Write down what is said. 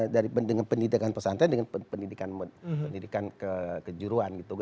dari pendidikan pesantren dengan pendidikan kejuruan gitu